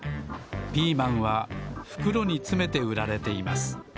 ピーマンはふくろにつめてうられています。